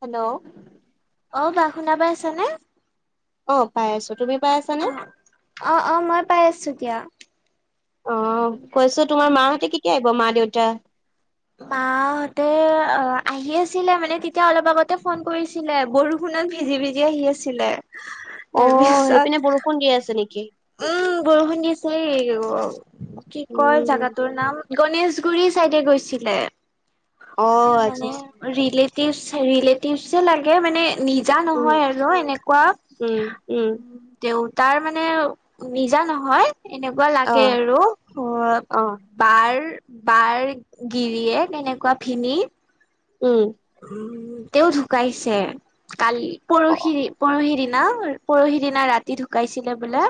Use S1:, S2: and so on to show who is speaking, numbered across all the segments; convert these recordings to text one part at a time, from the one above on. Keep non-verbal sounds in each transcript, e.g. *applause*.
S1: Hello.
S2: অহ, বা শুনা পাই আছানে?
S1: অহ, পাই আছো। তুমি পাই আছানে?
S2: অহ', অহ' মই পাই আছোঁ দিয়া।
S1: অহ, কৈছো তোমাৰ মাহঁতে কেতিয়া আহিব, মা-দেউতা।
S2: মাহঁতে অহ, আহি আছিলে মানে তেতিয়া অলপ আগতে ফোন কৰিছিল। কৰিছিলে বৰষুণত ভিজি-ভিজি আহি আছিলে।
S1: অহ,
S2: তাৰপিছত
S1: সেইপিনে বৰষুণ দি আছে নেকি?
S2: উম, বৰষুণ দিছে এই অহ। কি কয়
S1: উম
S2: জাগাটোৰ নাম? গণেশগুৰি চাইডে গৈছিলে,
S1: অ আচ্ছা
S2: মানে
S1: আচ্ছা
S2: ৰিলেটিভ-ৰিলেটিভ যে লাগে মানে নিজ নিজা
S1: উম
S2: নহয় আৰু এনেকুৱা।
S1: উম উম
S2: দেউতাৰ মানে নিজা নহয় এনেকুৱা
S1: অ
S2: লাগে আৰু‌। অহ
S1: অ
S2: বাৰ, বাৰ গিৰিয়ে এনেকুৱা ভিনি।
S1: উম।
S2: উম, তেওঁ ঢুকাইছে কালি,
S1: অ
S2: পৰহি-পৰহি দিনা। পৰহি দিনা ৰাতি ঢুকাইছিলে বোলে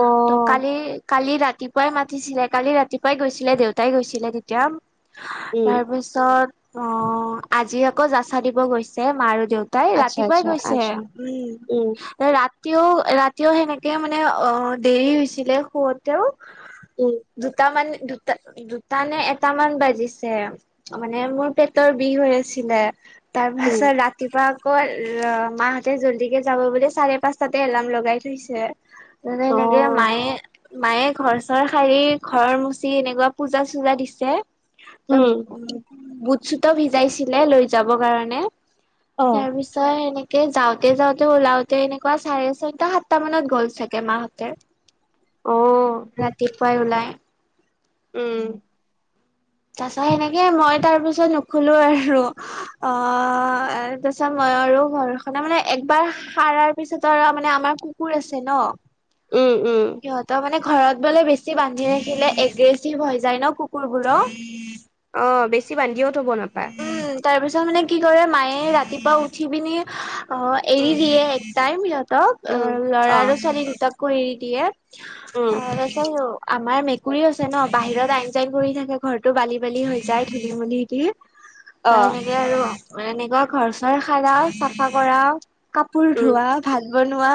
S1: অ
S2: কালি কালি ৰাতিপুৱাই মাতিছিলে, কালি ৰাতিপুৱাই গৈছিলে দেউতাই গৈছিলে তেতিয়া।
S1: উম
S2: তাৰপিছত অহ, আজি আকৌ যাচা দিব গৈছে মা আৰু দেউতা। দেউতাই
S1: আচ্ছা
S2: ৰাতিপুৱাই
S1: আচ্ছা
S2: গৈছে
S1: আচ্ছা
S2: উম। ৰাতিও-ৰাতিও সেনেকে মানে অহ, দেৰি হৈছিলে শুৱতেও।
S1: উম।
S2: দুটামান দুটা-দুটা নে এটামান বাজিছে। মানে মোৰ পেটৰ বিষ হৈ আছিলে,
S1: উম
S2: তাৰপাছত ৰাতি ৰাতিপুৱা আকৌ মাহঁতে জল্দিকে যাব বুলি চাৰে পাঁচটাতে এলাৰ্ম লগাই থৈছে। যেনে
S1: অ
S2: এনেকে মায়ে মায়ে ঘৰ-চৰ শাৰী ঘৰৰ মুচি এনেকুৱা পূজা-চূজা দিছে। ত'
S1: উম
S2: বুট-চুতও ভিজাইছিলে লৈ যাব কাৰণে।
S1: অ
S2: তাৰপিছত ত' এনেকে যাওঁতে শ-যাওঁতে ওলাওঁতে এনেকুৱা চাৰে ছয়টা সাতটা মানত গ'ল চাগে মাহঁতে।
S1: *inaudible*
S2: ৰাতিপুৱাই ওলাই।
S1: উম।
S2: তাৰপিছত সেনেকে মই তাৰপিছত নুশুলো আৰু। অহ, তাৰপিছত মই আৰু ঘৰখন মানে একবাৰ সাৰাৰ পিছত আৰু মানে আমাৰ কুকুৰ আছে ন'?
S1: উম', উম'।
S2: সিহঁতৰ মানে ঘৰত বোলে বেছি বান্ধি ৰাখিলে এগ্ৰেচিভ হৈ যায় ন' কুকুৰবোৰ।
S1: অহ, বেছি বান্ধিও থব নাপায়।
S2: তাৰপিছত মানে কি কৰে মায়ে ৰাতিপুৱা উঠি পিনি
S1: উম
S2: এৰি দিয়ে একটাইম।
S1: উম
S2: ল'ৰা
S1: অ
S2: আৰু ছোৱালী দুটাকো এৰি দিয়ে,
S1: উম
S2: অহ, তাৰপিছত আৰু আমাৰ মেকুৰি আছে ন' বাহিৰত আইন-চাইন কৰি থাকে, ঘৰৰতটো বালি-বালি হৈ যায় ধূলি-বালি দি।
S1: অ
S2: তাৰপিছত সেনেকে আৰু এনেকুৱা ঘৰ-চৰ সাৰা চাফা কৰা কাপোৰ
S1: উম
S2: ধোৱা। ভাত বনোৱা,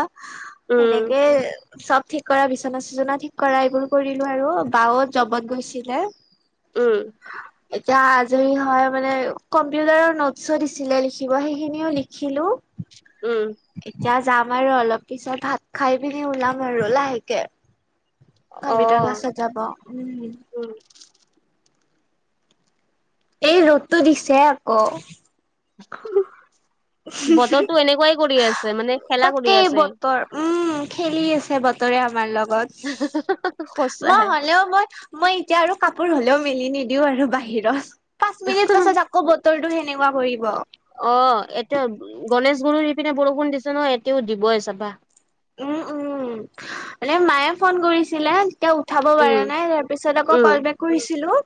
S1: উম
S2: সেনেকে চব ঠিক কৰা। বিচনা-চিচনা ঠিক কৰা। এইবোৰ কৰিলো আৰু। বা ও জবত গৈছিলে।
S1: উম।
S2: এতিয়া আজৰি হ হৈ মানে কম্পিউটাৰৰ নোটছো দিছিলে, লিখিব। সেইখিনিও লিখিলোঁ।
S1: উম।
S2: এতিয়া যাম আৰু অলপ পিছত, ভাত খাই পিনি ওলাম আৰু। লাহেকে কম্পিউটাৰ
S1: অ',
S2: ক্লাছত যাব। উম।
S1: উম।
S2: এই ৰ'দটো দিছে আক'।
S1: *unintelligible* বতৰটো এনেকুৱাই কৰি আছে। মানে খেলা কৰি
S2: তাকেই
S1: আছে।
S2: বতৰ উম। খেলি আছে বতৰে আমাৰ লগত। মই
S1: সঁচাই।
S2: হলেও মই মই এতিয়া আৰু, কাপোৰ হ'লেও মেলি নিদিও আৰু বাহিৰত। পাঁচ মিনিট পাছত আকৌ বতৰটো সেনেকুৱা কৰিব।
S1: অহ। এতে গণেশ গুৰিৰ সিপিনে বৰষুণ দিছে নহয়, এতেও দিব চাবা।
S2: উম। উম। মানে মায়ে ফোন কৰিছিলে। তেও উঠাব পৰা
S1: উম,
S2: নাই। তাৰপিছত আকৌ
S1: উম,
S2: কল বেক কৰিছিলো।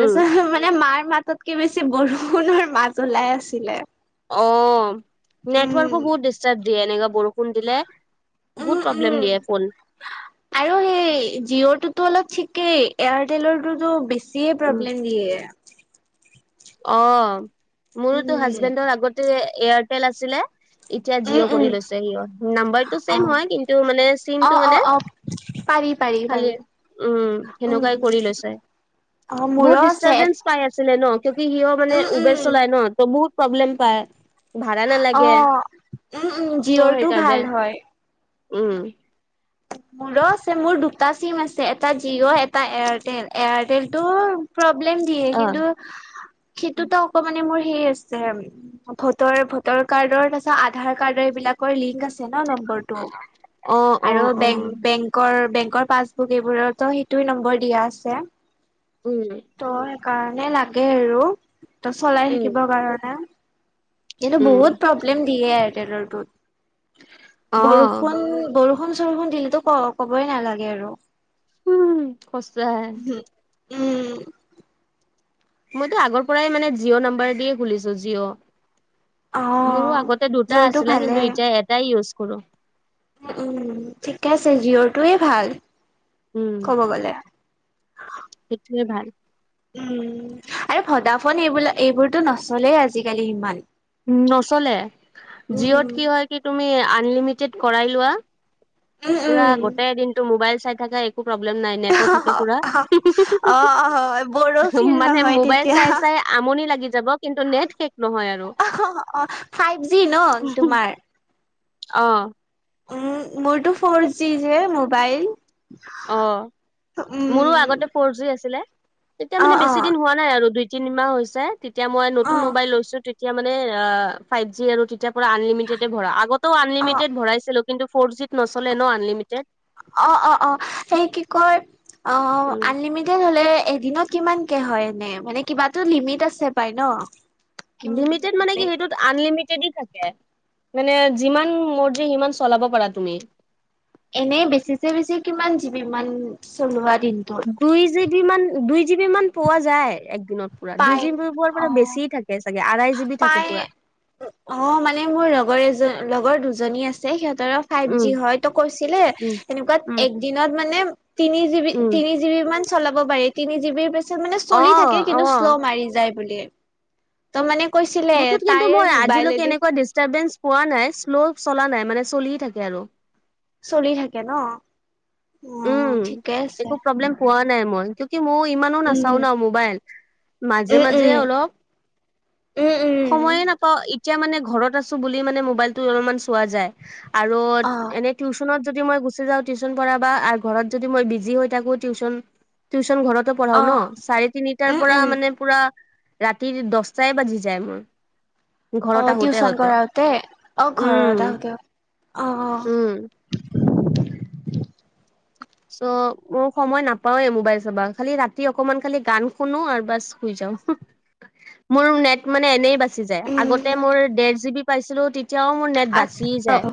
S1: উম।
S2: মানে মায়ে মাতত -কে বেছি বৰষুণৰ মাত ওলাই আছিলে।
S1: অউম। নেটৱৰ্কোও
S2: উম,
S1: বহুত ডিষ্টাৰ্ব দিয়ে। এনেকা বৰষুণ দিলে।
S2: উম,
S1: বহুত প্ৰব্লেম
S2: উম।
S1: দিয়ে ফোন।
S2: আৰু সেই জিঅ'টোতো অলপ ঠিকেই। এয়াৰটেলৰটোতো বেছি -ছিয়ে প্ৰব্লেম দিয়ে।
S1: অহ। মোৰোতো
S2: উম,
S1: হাজবেণ্ডৰ আগতে এয়াৰটেল আছিলে। এতিয়া
S2: উম,
S1: জিঅ'
S2: উম।
S1: কৰি লৈছে, সিও। নাম্বাৰটো চেইম
S2: অ',
S1: হয় কিন্তু মানে চিমটো
S2: অ', অ',
S1: মানে
S2: অ', পাৰি, পাৰি,
S1: ভালে।
S2: পাৰি।
S1: উম।
S2: উম
S1: সেনেকুৱাই কৰি লৈছে।
S2: অ',
S1: বহুত
S2: মোৰো আছে।
S1: ডিষ্টাৰবেঞ্চ পাই আছিলে, ন। কিউকি সিও মানে
S2: উম,
S1: উবেৰ
S2: উম।
S1: চলাই ন। ত' বহুত প্ৰব্লেম পায়। ভাড়া নালাগে।
S2: অ', উম, উম,
S1: চ'
S2: জিঅ'ৰটো ভাল
S1: সেইকাৰনে।
S2: হয়।
S1: উম।
S2: মোৰো আছে। মোৰ দুটা চিম আছে। এটা জিঅ'। এটা এয়াৰটেল। এয়াৰটেলটো প্ৰব্লেম দিয়ে।
S1: অ
S2: কিন্তু সেইটোতো আক'মানে মোৰ সেই আছে ভোটৰ -ভোটৰ কাৰ্ডৰ, তাচৰ আধাৰ কাৰ্ডৰ এইবিলাকৰ লিংক আছে ন নম্বৰটো।
S1: অ'।
S2: আৰু
S1: অ'।
S2: বেং
S1: অ'।
S2: বেংকৰ -বেংকৰ পাছবুক, এইবোৰতো সেইটোই নম্বৰ দিয়া আছে।
S1: উম।
S2: ত' সেইকাৰণে লাগে আৰু। ত' চলাই
S1: উম
S2: থাকিবৰ কাৰণে। কিন্ত
S1: উম
S2: বহুত প্ৰব্লেম দিয়ে
S1: অ
S2: এয়াৰটেলৰটোত। বৰষুণ- বৰষু -ন -চৰষুণ দিলেটো ক -কবই নালাগে আৰু।
S1: উম। সচাঁয়।
S2: উম।
S1: মইতো আগৰ পৰাই মানে জিঅ' নাম্বাৰ দিয়ে খুলিছো। জিঅ'।
S2: অ
S1: মোৰো আগতে দুটা
S2: জিঅ'ৰটো
S1: আছিলে।
S2: ভালে
S1: কিন্তু এতিয়া এটাই ইউজ কৰো।
S2: উম। ঠিকে আছে। জিঅৰটোৱে ভাল
S1: উম
S2: কব গলে।
S1: সেইটোৱে ভাল।
S2: উম। আৰু ভদাফোন এইবিলা এইবোৰতো নচলে আজিকালি ইমান।
S1: নচলে। জিঅ'ত
S2: উম,
S1: কি হয় কি তুমি আনলিমিটেড কৰাই লোৱা
S2: উম,
S1: পুৰা
S2: উম।
S1: গোটেই দিনটো মোবাইল চাই থাকা একো প্ৰব্লেম নাই। নেট টো থাকে পুৰা।
S2: অ', হয় বড়ো ফিল
S1: মানে
S2: নহয়
S1: মোবাইল
S2: তেতিয়া।
S1: চাই- চাই আমনি লাগি যাব কিন্তু নেট শেষ নহয় আৰু।
S2: অ', ফাইভ জি ন'
S1: *unintelligible*
S2: তোমাৰ?
S1: অহ।
S2: উম। মোৰটো ফ'ৰ জি যে মোবাইল
S1: অহ। মোৰো
S2: উম।
S1: আগতে ফ'ৰ জি আছিলে। তেতিয়া
S2: অ',
S1: মানে বেছি
S2: অ',
S1: দিন হোৱা নাই আৰু দুই তিনিমাহ হৈছে তেতিয়া মই নতুন
S2: অ',
S1: মোবাইল লৈছো তিত *inaudible* এতিয়া মানে ফাইভ জি আৰু তেতিায়াৰ পৰা আনলিমিেড ভৰাও আগতেও
S2: অ',
S1: আনলিমিটেড ভৰাইছিলোঁ। কিন্তু ফ'ৰ জিত নচলেনও আনলিমিটেড।
S2: অ, অ, অ, সেই কি কয় অ
S1: উম।
S2: আনলিমিটেড হলে এদিনত কিমানকে হয় এনে মানে কিবাাতো লিমিট আছে পাই ন?
S1: লিমিটেড মানে কি সেইটোত আনলিমিটেডে থাকে মানে যিমান মৰ্জি সিমান চলাব পাৰা তুমি।
S2: এনেই বেছিছে বেছি কিমান জিবি ইমান চলোৱা দিন
S1: দুই জি বি মান দুই জি বি মান পোৱা যায় এক দিনত পুৰা দুই
S2: পাই
S1: জি বি পোৱাৰ পৰা বেছি থাকে। হয় চাগে আঢ়ৈ
S2: পাই অ মানে মোৰ লগৰ এজন লগৰ দুজনী আছে সিহঁতৰো ফাইভ
S1: উম
S2: জি হয় তো কৈছিলে
S1: উম
S2: এনেকুৱাত
S1: উম
S2: এক দিনত মানে তিনি জি বি
S1: উম
S2: তিনি জি বি মান চলাব পাৰি তিনি জিবিৰ পিছত মানে
S1: অ
S2: চলি থাকে
S1: অ
S2: কিন্তু শ্ল' মাৰি যায় বোলে। তাৰ মানে কৈছিল,
S1: মুঠত কিন্তু মই আজিলৈকে এনেকুৱা ডিষ্টাৰবেঞ্চ পোৱা নাই, শ্ল' চলা নাই, মানে চলিয়ে থাকে আৰু।
S2: চলি থাকে ন? অ
S1: উম
S2: ঠিকে আছে
S1: একো প্ৰব্লেম পোৱা নাই মই কি মই ইমানো নাচাও
S2: উম
S1: ন মোবাইল
S2: উম
S1: মাজে মাজে
S2: উম
S1: অলপ।
S2: উম উম উম
S1: সময়ে নাপাও এতিয়া মানে ঘৰত আছো বুলি মানে মোবাইলটো অলপমান চোৱা যায়। আৰু
S2: অ
S1: এনেই টিউচনত যদি মই গুচি যাওঁ টিউচন পঢ়া বা ঘৰত যদি মই বিজি হৈ থাকোঁ, টিউচন টিউচন ঘৰত পঢ়াও
S2: অ
S1: ন চাৰে তিনিটাৰ
S2: উম
S1: পৰা
S2: উম
S1: মানে পুৰা ৰাতি দহটাই বাজি যায় মোৰ।
S2: অ
S1: ঘৰতে আহোতে
S2: টিউচন
S1: আহোতে
S2: কৰাওতে অ ঘৰত
S1: উম,
S2: আহোতে
S1: উম। চ' মই সময় নাপাওৱে মোবাইল চাবা খালি ৰাতি অকমান খালি গান শুনো আৰু বাছ শুই যাওঁ। মোৰ নেট মানে এনেই বাচ যায়
S2: অ
S1: আগতে
S2: উম
S1: মোৰ দেৰ জি বি পাইছিলো তেতিয়াও মোৰ নেট
S2: আ
S1: বাচি
S2: অ
S1: যায়।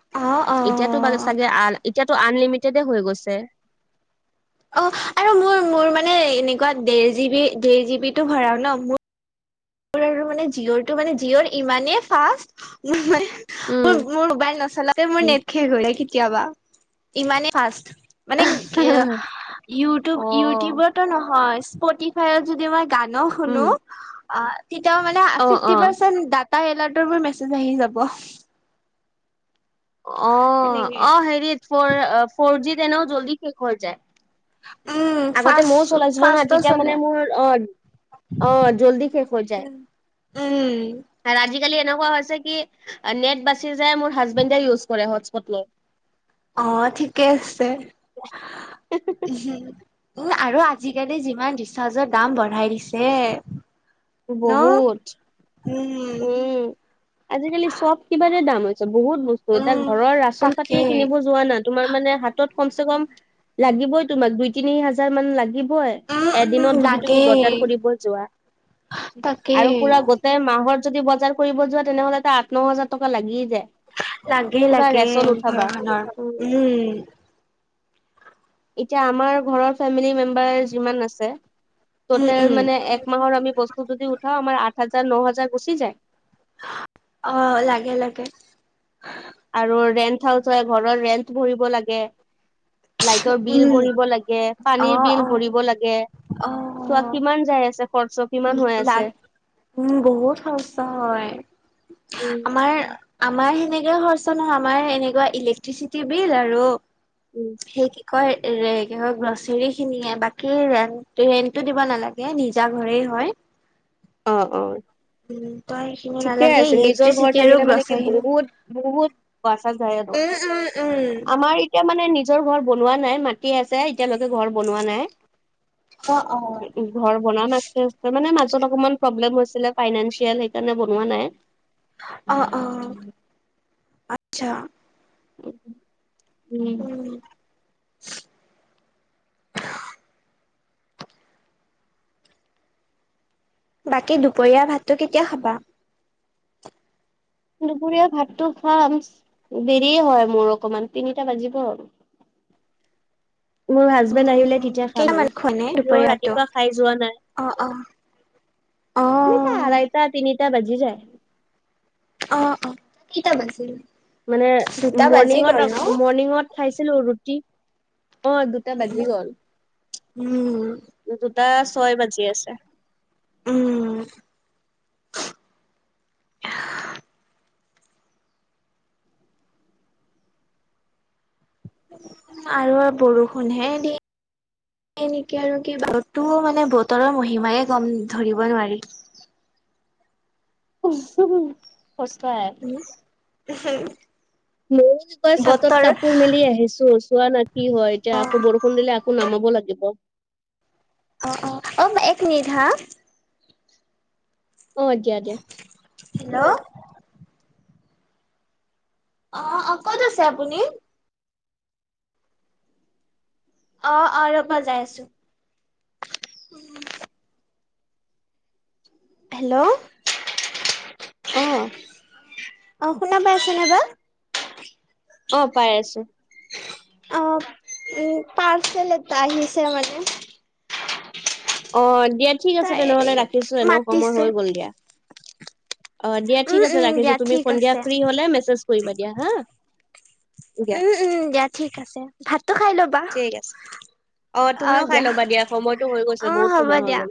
S2: অ অ
S1: এতিয়াতো বাৰু চাগে আ এতিয়াতো আনলিমিটেডে হৈ গৈছে।
S2: অ, আৰু মোৰ মোৰ মানে এনেকুৱা দেৰ জি বি দেৰ জি বি টো হয় আৰু ন মোৰ আৰু মানে জিঅ'ৰটো মানে জিঅ'ৰটো ইমানে ফাষ্ট *inaudible* মোৰ
S1: উম
S2: মোৰ মোবাইল নচলাতে মোৰ
S1: উম।
S2: নেট শেষ হ'ল কেতিয়াবা, ইমানেই ফাষ্ট। মানে ইউটিউব
S1: অ',
S2: ইউটিউবটো নহয় স্পটিফায়ত যদি মই গানো শুনো
S1: উম,
S2: আ তেতিয়াও মানে
S1: অ',
S2: ফিফটি
S1: অ'।
S2: পাৰ্চেন্ত ডাত ডাত তা এলাৰ্টটোত মোৰ মেছেজ আহি যাব।
S1: অ,
S2: সেনেকে
S1: অ, হেৰি ফৰ ফৰ জি ত এনেও জল্দি শেষ হৈ যায়।
S2: উম
S1: আগতে মইও
S2: ফাষ্ট
S1: চলাইছিলো ন
S2: ফাষ্টৰ
S1: তেতিয়া মানে
S2: চলে
S1: মোৰ অ, অ, জল্দি শেষ হৈ যায়,
S2: উম উম
S1: আৰু আজিকালি এনেকুৱা হৈছে কি নেট বাচি যায় মোৰ হাজবেণ্ডে ইউজ কৰে হটস্পট লৈ।
S2: অ, ঠিকে আছে, হুম। উম, আৰু আজিকালি যিমান ৰিচাৰ্জৰ দাম বঢ়াই দিছে। ন
S1: বহুত।
S2: উম,
S1: আজিকালি চব কিবাৰে দাম হৈছে বহুত বস্তু এতিয়া
S2: উম
S1: ঘৰৰ ৰাচন
S2: তাকে
S1: পাতিয়ে কিনিব যোৱা না তোমাৰ মানে হাতত কমচে কম লাগিবই তোমাক দুই তিনি হাজাৰ মান লাগিবই।
S2: উম উম
S1: এদিনত যদি তুমি
S2: লাগে
S1: বজাৰ কৰিব যোৱা।
S2: তাকে
S1: আৰু পুৰা মাহত যদি বজাৰ কৰিব যোৱা তেনেহলে ত আঠ ন হাজাৰ টকা লাগিয় যায়।
S2: লাগেই
S1: পুৰা
S2: লাগে
S1: ৰেচন উঠাবা
S2: ঘৰখনৰ, উম।
S1: এতিয়া আমাৰ ঘৰৰ ফেমিলি মেম্বাৰ যিমান আছে
S2: উম
S1: টোটেল
S2: উম
S1: মানে এক মাহৰ আমি বস্তু যদি উঠাও আমাৰ আঠ হাজাৰ ন হাজাৰ গুচি যায়।
S2: অ, লাগে লাগে।
S1: আৰু ৰেন্ট হাউচ হয়, ঘৰৰ ৰেন্ট ভৰিব লাগে। লাইটৰ বিল
S2: উম
S1: ভৰিব লাগে,
S2: অ
S1: পানীৰ বিল
S2: অ
S1: ভৰিব লাগে, চোৱা কিমান যায় আছে। হোৱাটছএপ।
S2: লাগে উম, বহুত খৰচা হয়,
S1: উম
S2: আমাৰ আমাৰ সেনেকে খৰচা নহয় আমাৰ এনেকুৱা ইলেক্ট্ৰিচিটি বিল আৰু।
S1: উম
S2: সেই কি কয় কি কয় গ্ৰচৰী খিনিয়ে বাকী ৰেট ৰেন্টটো দিব নালাগে নিজা ঘৰে হয়। হয়।
S1: অ, অ,
S2: উম তই সেইখিনি
S1: ঠিকে
S2: নালাগে
S1: আছে নিজৰ ঘৰত
S2: ইলেক্ট্ৰিচিটি আৰু
S1: থাকিলে মানে কি
S2: গ্ৰচাৰী খিনি
S1: বহুত বহুত বছা যায় আৰু
S2: উম উম উম।
S1: আমাৰ এতিয়া মানে নিজৰ ঘৰ বনোৱা নাই মাি আছে এতিয়ালৈকে ঘৰ বনোৱা নাই।
S2: অ', অ'
S1: ঘৰ বনাম আস্তে আস্তে মানে মাজত অকমান ব্লে হৈছিলে ফাইনেিয় সেইকাৰণে বনোৱা নাই।
S2: অ', অ, আচ্ছা।
S1: উম,
S2: বাকী দুপৰীয়া ভাতটো কেতিয়া খাবা?
S1: দুপৰীয়া ভাতটো খাম দেৰি হয় মোৰ অকমান তিনিটা বাজিব আৰু। মোৰ হাজবেণ্ড আহিলে তেতিয়া খাম
S2: কেইটামান
S1: আৰু
S2: খোৱা নে
S1: কিয়
S2: দুপৰীয়া ভাতটো?
S1: ৰাতিপুৱা খাই যোৱা নাই।
S2: অ অ অ
S1: নো আইটা তিনিটা বাজি যায়।
S2: অ', অ' কেইটা বাজিল?
S1: মানে
S2: দুটা বাজি গ'ল
S1: মৰ্ণিঙত
S2: ন?
S1: মৰ্ণিঙত খাইছিলো ৰুটি অ' দুটা বাজি গ'ল
S2: উম
S1: দুটা ছয় বাজি আছে।
S2: উম, আৰু বৰষুণ হে দি সনেকে আৰু কি ব আৰু তো মানে বতৰৰ মহিমায় গম ধৰিব নোৱাৰি।
S1: *unintelligible*
S2: উম,
S1: ময়ো কয় চাটত কাপোৰ মেলি আহিছো চোৱা না কি হয় এতিয়া
S2: অ
S1: আকৌ বৰষুণ খু দিলে আকো নামাব লাগিব।
S2: অ, অ, অ, এক মিনিট হা
S1: অ, দিয়া দিয়া।
S2: হেল্ল'? অ', অ' ক'ত আছে আপুনি? অ', অ' ৰবা জাই আছো। হেল্ল'?
S1: অ,
S2: অ' শুনা পাইছনে বা?
S1: অ' পাই আছো।
S2: অ' উম পাৰ্চেল এটা আহিছে মানে।
S1: অ' দিয়া ঠিক আছে
S2: তাই
S1: তেনেহলে ৰাখিছো এনেও সময়
S2: মাতিছে।
S1: হৈ গল দিয়া। অ' দিয়া ঠিক
S2: উম
S1: আছে
S2: উম
S1: ৰাখিছো
S2: দিয়া
S1: তুমি
S2: ঠিক
S1: সন্ধিয়া
S2: আছে
S1: ফ্ৰী হলে মেছেজ কৰিবা দিয়া হা। *inaudible*
S2: উম, উম, দিয়া ঠিক আছে ভাতো খাই লব
S1: ঠিক আছে। অ' তুমিও খাই ল'বা দিয়া সময়টো হৈ গৈছে
S2: অ
S1: বহুত
S2: হ'ব
S1: সময় হৈ গল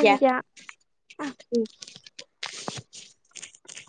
S1: দিয়া।
S2: অ',।
S1: উম।